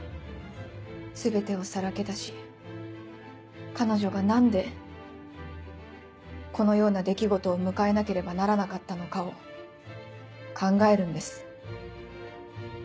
全てをさらけ出し彼女が何でこのような出来事を迎えなければならなかったのかを考えるんです。